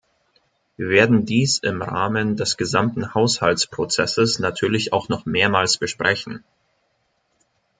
Wir werden dies im Rahmen des gesamten Haushaltsprozesses natürlich auch noch mehrmals besprechen.